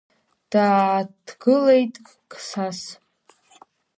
Дааҭгылеит Қсас.